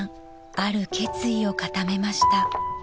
ある決意を固めました］